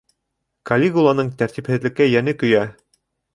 Калигуланың тәртипһеҙлеккә йәне көйә.